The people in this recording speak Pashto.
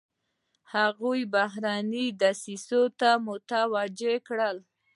هغې بهرنۍ دسیسې ته متوجه کړو.